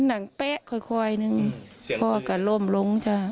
คนิคค่อยพอก็ล้มลงจ้า